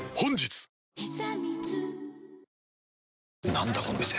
なんだこの店。